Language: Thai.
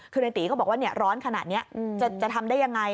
คือในตีก็บอกว่าร้อนขนาดนี้จะทำได้ยังไง